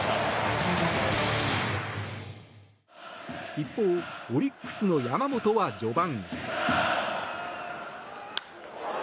一方、オリックスの山本は序盤。